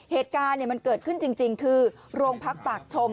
เหตุการณ์มันเกิดขึ้นจริงคือโรงพักปากชม